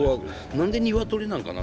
何でニワトリなのかな？